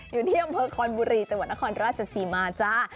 อยู่ที่อำเภอคอนบุรีจังหวัดนครราชศรีมาจ้า